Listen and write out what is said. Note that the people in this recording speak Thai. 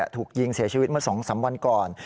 ถูกยิงเสียชีวิตเมื่อ๒๓วันก่อน